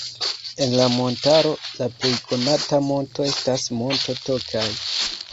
En la montaro la plej konata monto estas Monto Tokaj.